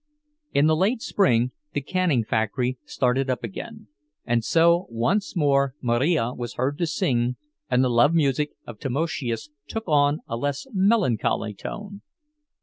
In the late spring the canning factory started up again, and so once more Marija was heard to sing, and the love music of Tamoszius took on a less melancholy tone.